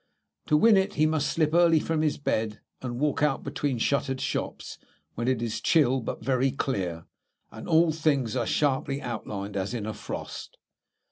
To win it he must slip early from his bed and walk out between shuttered shops when it is chill but very clear, and all things are sharply outlined, as in a frost.